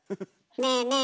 ねえねえ